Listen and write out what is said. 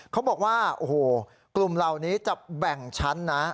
เขาบอกว่าโอ้โหกลุ่มเหล่านี้จะแบ่งชั้นนะ